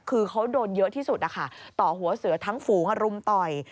คือเขาโดนเยอะที่สุดนะคะต่อหัวเสือทั้งฝูงรุมต่อย